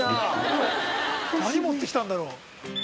何持って来たんだろう？